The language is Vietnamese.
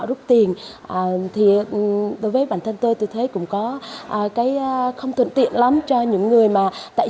rút tiền thì đối với bản thân tôi tôi thấy cũng có cái không thuận tiện lắm cho những người mà tại